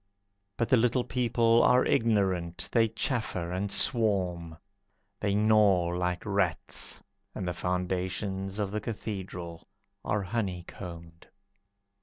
But the little people are ignorant, They chaffer, and swarm. They gnaw like rats, And the foundations of the Cathedral are honeycombed.